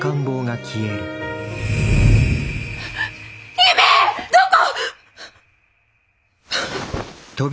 姫どこ！